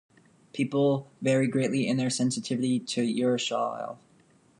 People vary greatly in their sensitivity to urushiol.